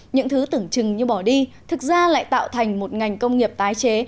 những thứ tưởng chừng như bỏ đi thực ra lại tạo thành một ngành công nghiệp tái chế